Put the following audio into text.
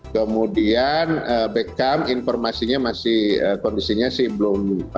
kemudian bekam informasinya masih kondisinya belum